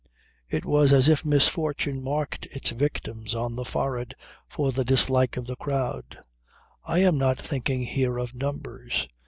It was as if misfortune marked its victims on the forehead for the dislike of the crowd. I am not thinking here of numbers.